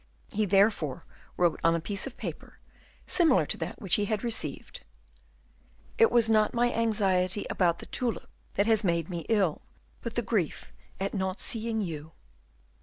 He therefore wrote on a piece of paper, similar to that which he had received, "It was not my anxiety about the tulip that has made me ill, but the grief at not seeing you."